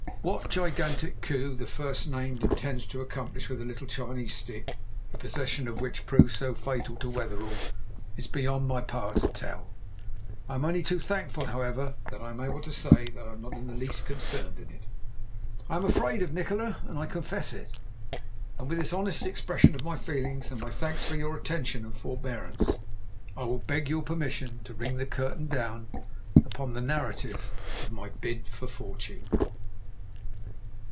What gigantic coup the first named intends to accomplish with the little Chinese stick, the possession of which proved so fatal to Wetherell, is beyond my power to tell. I am only too thankful, however, that I am able to say that I am not in the least concerned in it. I am afraid of Nikola, and I confess it. And with this honest expression of my feelings, and my thanks for your attention and forbearance, I will beg your permission to ring the curtain down upon the narrative of my BID FOR FORTUNE.